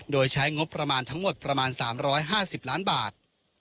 โดยใช้งบประมาณทั้งหมดประมาณ๓๕๐ล้านบาท